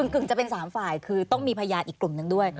กึ่งจะเป็น๓ฝ่ายคือต้องมีพยานอีกกลุ่มหนึ่งด้วย